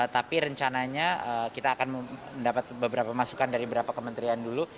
tapi rencananya kita akan mendapat beberapa masukan dari beberapa kementerian dulu